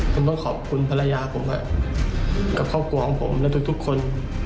ผมต้องขอบคุณภรรยาผมกับครอบครัวของผมและทุกคน